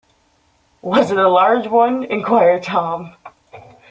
“Was it a large one?” inquired Tom.